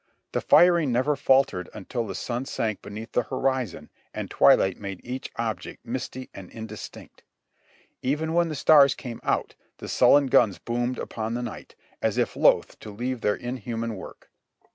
The firing never faltered until the sun sank beneath the horizon and twilight made each object misty and indistinct. Even when the stars came out, the sullen guns boomed upon the night, as if loath to leave their inhuman work.